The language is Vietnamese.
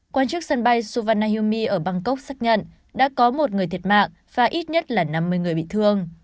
quan chức sân bay suvarnahumi ở bangkok xác nhận đã có một người thiệt mạng và ít nhất là năm mươi người bị thương